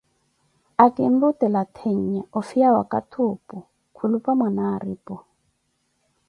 Akiirutela theenya ofiya wakathi opu khulupa Mwanaripu.